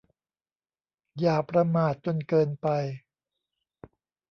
อย่าประมาทจนเกินไป